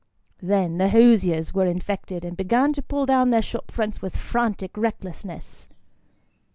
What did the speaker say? Then, the hosiers were infected, and began to pull down their shop fronts with frantic recklessness.